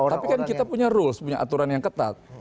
tapi kan kita punya rules punya aturan yang ketat